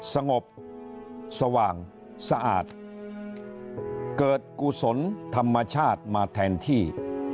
สงบสว่างสะอาดเกิดกุศลธรรมชาติมาแทนที่